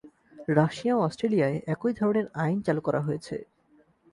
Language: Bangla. রাশিয়া ও অস্ট্রেলিয়ায় একই ধরনের আইন চালু করা হয়েছে।